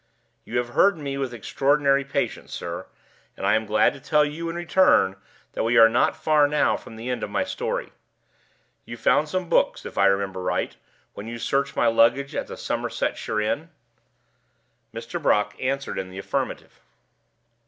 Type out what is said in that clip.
You have heard me with extraordinary patience, sir, and I am glad to tell you, in return, that we are not far now from the end of my story. You found some books, if I remember right, when you searched my luggage at the Somersetshire inn?" Mr. Brock answered in the affirmative.